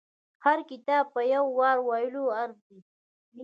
هر کتاب په يو وار ویلو ارزي.